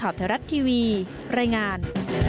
ข่าวเทวรัฐทีวีรายงาน